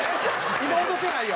今踊ってないよ。